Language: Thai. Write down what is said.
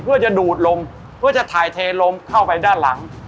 เพื่อจะดูดลงเพื่อจะถ่ายเทลมเข้าไปด้านหลัง